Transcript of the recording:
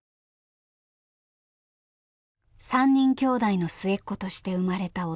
３人きょうだいの末っ子として生まれた音十愛さん。